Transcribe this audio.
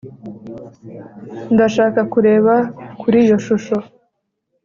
ndashaka kureba kuri iyo shusho